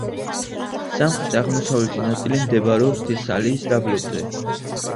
სამხრეთ-აღმოსავლეთი ნაწილი მდებარეობს თესალიის დაბლობზე.